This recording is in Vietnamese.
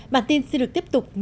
bản tin xin được tiếp tục